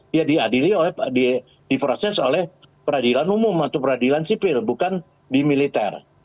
dia diadili diproses oleh peradilan umum atau peradilan sipil bukan di militer